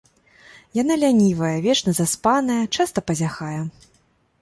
Яна лянівая, вечна заспаная, часта пазяхае.